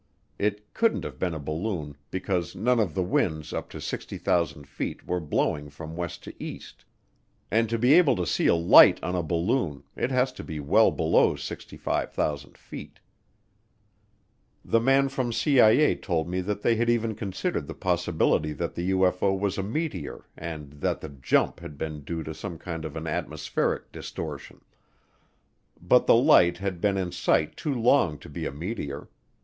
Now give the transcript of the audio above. It couldn't have been a balloon because none of the winds up to 65,000 feet were blowing from west to east and to be able to see a light on a balloon, it has to be well below 65,000 feet; the man from CIA told me that they had even considered the possibility that the UFO was a meteor and that the "jump" had been due to some kind of an atmospheric distortion. But the light had been in sight too long to be a meteor.